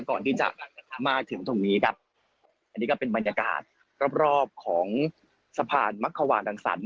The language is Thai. ก่อนที่จะมาถึงตรงนี้ครับอันนี้ก็เป็นบรรยากาศรอบรอบของสะพานมักขวานรังสรรค